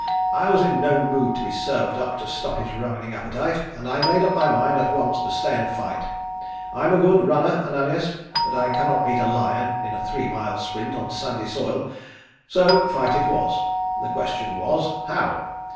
I was in no mood to be served up to stop his ravening appetite and I made up my mind at once to stay and fight. I'm a good runner, Ananias, but I cannot beat a lion in a three mile sprint on a sandy soil, so fight it was. The question was how.